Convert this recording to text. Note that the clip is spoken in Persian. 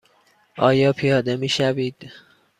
آیا پیاده می شوید؟